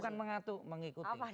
bukan mengatu mengikuti